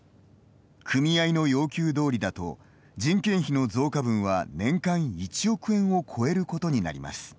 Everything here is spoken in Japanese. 組合の要求どおりだと人件費の増加分は年間１億円を超えることになります。